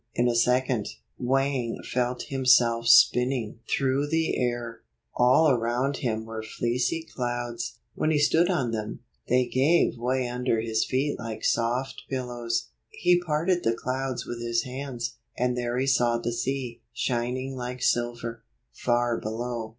In a second, Wang felt himself spinning 50 5 1 through the air. All around him were fleecy clouds. When he stood on them, they gave way under his feet like soft pillows. He parted the clouds with his hands, and there he saw the sea, shining like silver, far below.